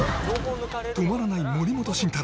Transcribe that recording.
止まらない森本慎太郎